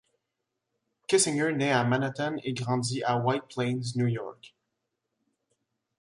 Kissinger naît à Manhattan et grandit à White Plains, New York.